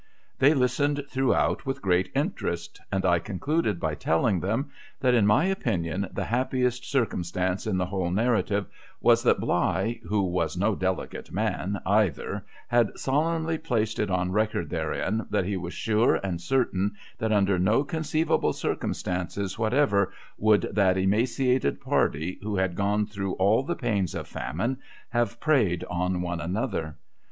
They listened throughout with great interest, and I concluded by telling them, that, in my opinion, the happiest circumstance in the whole narrative was, that Bligh, who was no delicate man either, had solemnly placed it on record therein that he was sure and certain that under no conceivable circumstances whatever would that emaciated party, who had gone through all the pains of famine, have preyed on one another.